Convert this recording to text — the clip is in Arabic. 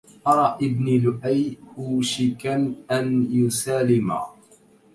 أرى ابني لؤي أوشكا أن يسالما